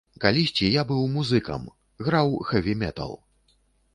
Калісьці я быў музыкам, граў хэві-метал.